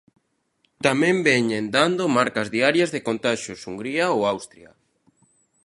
Tamén veñen dando marcas diarias de contaxios Hungría ou Austria.